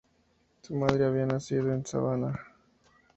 Su madre había nacido en Savannah, Georgia.